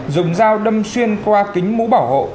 dùng dao đâm xuyên qua kính mũ bảo hộ